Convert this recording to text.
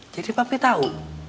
jadi papi tau